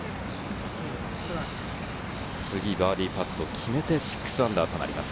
次バーディーパットを決めてー６となります。